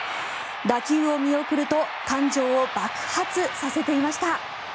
打球を見送ると感情を爆発させていました。